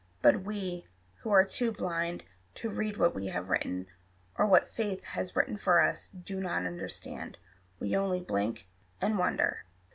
But we, who are too blind To read what we have written, or what faith Has written for us, do not understand: We only blink, and wonder.